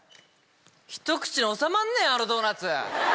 一口で収まんねぇ、あのドーナツ。